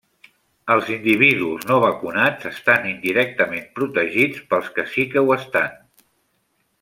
Els individus no vacunats estan indirectament protegits pels que sí que ho estan.